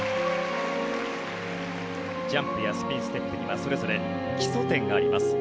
ジャンプやスピンステップにはそれぞれ基礎点があります。